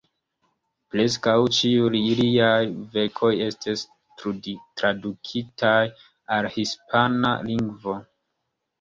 Preskaŭ ĉiuj liaj verkoj estis tradukitaj al la hispana lingvo.